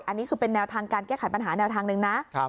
อันนี้คือเป็นแนวทางการแก้ไขปัญหาแนวทางหนึ่งนะ